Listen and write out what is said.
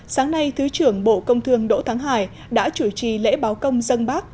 sáng nay thứ trưởng bộ công thương đỗ thắng hải đã chủ trì lễ báo công dân bác